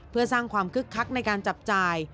เพื่อสร้างความคึกคักในการจับจ่าย